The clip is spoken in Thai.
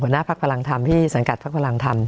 ขวรหน้าพรรพลังธรรมที่สังกัดพรรพลังธรรม